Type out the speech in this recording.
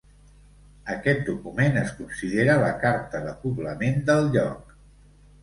Aquest document es considera la carta de poblament del lloc.